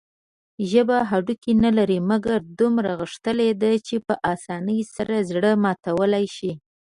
ژبه هډوکي نلري، مګر دومره غښتلي ده چې په اسانۍ سره زړه ماتولى شي.